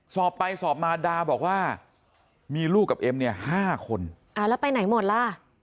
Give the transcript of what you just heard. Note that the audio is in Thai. สอบไปสอบมาดาบอกว่ามีลูกกับเอ็มเนี่ยห้าคนอ่าแล้วไปไหนหมดล่ะ